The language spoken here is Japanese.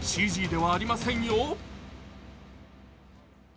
ＣＧではありませんよ。